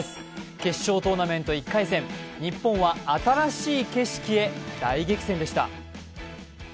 決勝トーナメント１回戦日本は新しい景色へ大激戦でした。